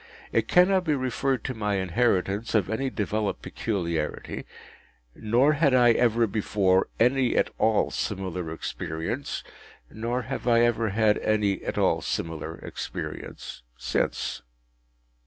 It cannot be referred to my inheritance of any developed peculiarity, nor had I ever before any at all similar experience, nor have I ever had any at all similar experience since.